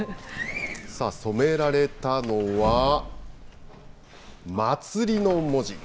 さあ、染められたのは、祭りの文字。